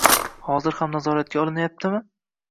Hozir ham nazoratga olinyaptimi?